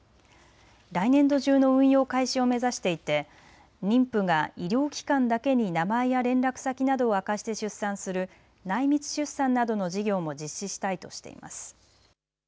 来年度中の運用開始を目指していて妊婦が医療機関だけに名前や連絡先などを明かして出産する内密出産などの事業も実施したいとしています。